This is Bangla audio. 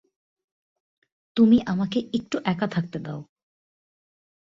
তুমি আমাকে একটু একা থাকতে দাও!